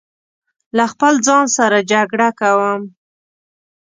له خپل ځان سره جګړه کوم